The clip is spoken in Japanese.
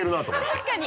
確かに！